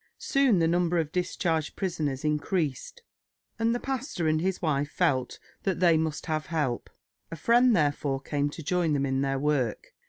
Soon the number of discharged prisoners increased, and the pastor and his wife felt that they must have help; a friend therefore came to join them in their work.